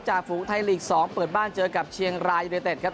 ฝูงไทยลีก๒เปิดบ้านเจอกับเชียงรายยูเนเต็ดครับ